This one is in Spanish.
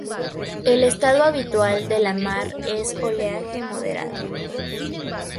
El estado habitual de la mar es oleaje moderado.